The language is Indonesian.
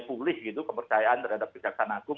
pulih gitu kepercayaan terhadap kejaksaan agung